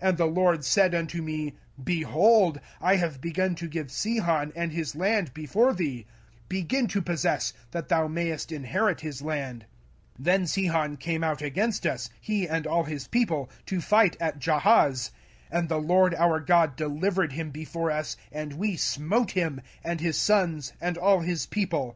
05:002:031 And the LORD said unto me, Behold, I have begun to give Sihon and his land before thee: begin to possess, that thou mayest inherit his land. 05:002:032 Then Sihon came out against us, he and all his people, to fight at Jahaz. 05:002:033 And the LORD our God delivered him before us; and we smote him, and his sons, and all his people.